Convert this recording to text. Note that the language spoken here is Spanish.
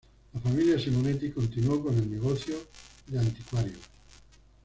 La familia Simonetti continuó con el negocio de anticuarios.